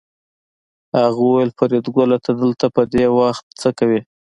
هغه وویل فریدګله ته دلته په دې وخت څه کوې